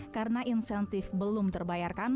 karena insentif belum terbayarkan